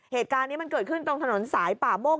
เหตุการณ์นี้มันเกิดขึ้นตรงถนนสายป่าโมก